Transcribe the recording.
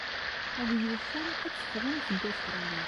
A win yufan ad teffɣem seg Ustṛalya.